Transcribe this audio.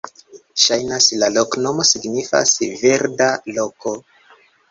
Ŝajnas, la loknomo signifas: "verda loko".